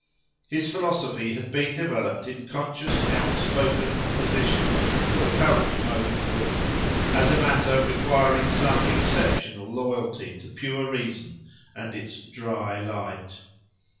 His philosophy had been developed in conscious, outspoken opposition to the current mode of thought, as a matter requiring some exceptional loyalty to pure reason and its "dry light."